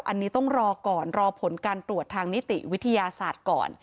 อันนี้ต้องรอก่อนรอผลการตรวจทางนิติวิทยาศาสตร์ก่อน